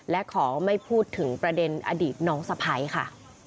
และขอไม่พูดถึงประเด็นอดีตน้องสะพ้ายค่ะ